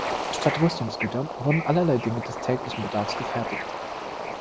Statt Rüstungsgütern wurden allerlei Dinge des täglichen Bedarfs gefertigt.